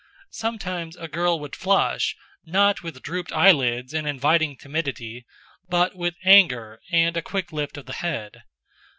Sometimes a girl would flush, not with drooped eyelids and inviting timidity, but with anger and a quick lift of the head.